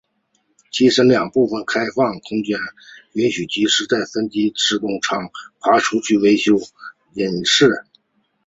机身两旁的开放空间允许技师在飞行时自机舱爬出去维修引擎。